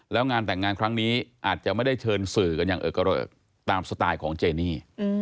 แล้วงานแต่งงานครั้งนี้อาจจะไม่ได้เชิญสื่อกันอย่างเออเกริกตามสไตล์ของเจนี่